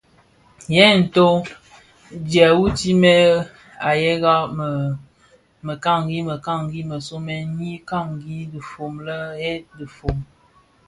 Yèè thot djehoutimès a yëga mekanikani më somèn nyi kali dhifom le: eed: dhifom.